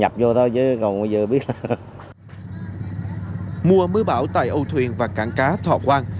mùa mưa bão tại âu thuyền và cảng cá thọ quang